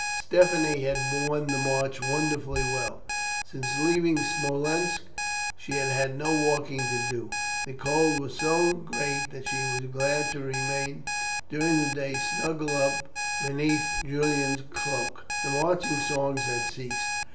Stephanie had borne the march wonderfully well. Since leaving Smolensk, she had had no walking to do. The cold was so great that she was glad to remain during the day snuggled up beneath Julian's cloak. The marching songs had ceased.